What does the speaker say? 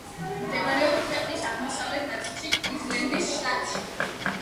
მდებარეობს ქვეყნის აღმოსავლეთ ნაწილში, კუინზლენდის შტატში.